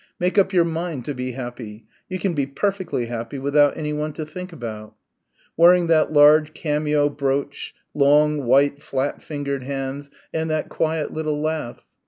"Make up your mind to be happy. You can be perfectly happy without anyone to think about...." Wearing that large cameo brooch long, white, flat fingered hands and that quiet little laugh....